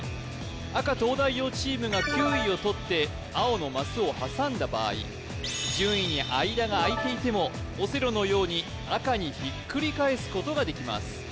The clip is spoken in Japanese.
赤東大王チームが９位を取って青のマスを挟んだ場合順位に間が空いていてもオセロのように赤にひっくり返すことができます